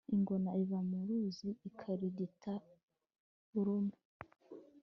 ingona iva mu ruzi ikarigata urume